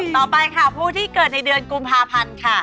ต่อไปค่ะผู้ที่เกิดในเดือนกุมภาพันธ์ค่ะ